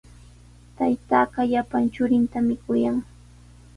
Taytaaqa llapan churintami kuyan.